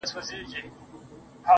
چي مرور نه یم، چي در پُخلا سم تاته.